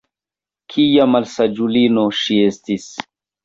kia malsaĝulino ŝi estis!